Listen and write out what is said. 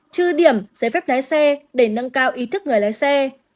trừ điểm giấy phép lái xe để nâng cao ý thức người lái xe